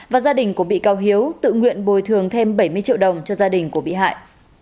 và gia đình của bị cáo hiếu tự nguyện bồi thường thêm bảy mươi triệu đồng cho gia đình của bị hại